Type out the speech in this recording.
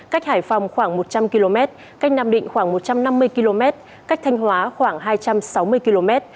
cách hải phòng khoảng một trăm linh km cách nam định khoảng một trăm năm mươi km cách thanh hóa khoảng hai trăm sáu mươi km